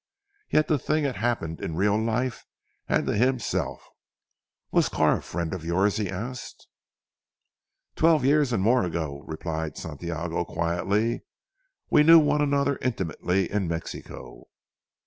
Yet the thing had happened in real life and to himself. "Was Carr a friend of yours?" he asked. "Twelve years and more ago," replied Santiago quietly, "we knew one another intimately in Mexico."